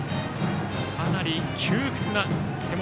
かなり窮屈な手元